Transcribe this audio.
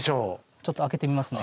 ちょっと開けてみますね。